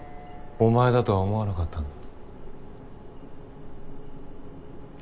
お前だとは思わなかったんだ。